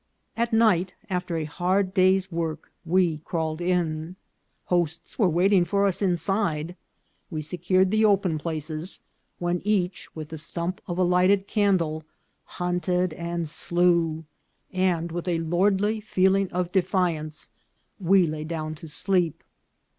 At night, after a hard day's work, we crawled in. Hosts were waiting for us inside. We secured the open places, when each, with the stump of a lighted candle, hunted and slew, and with a lordly feeling of defiance we lay down to sleep.